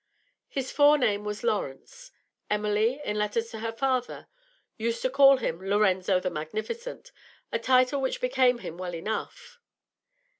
His forename was Laurence: Emily, in letters to her father, used to call him Lorenzo the Magnificent, a title which became him well enough.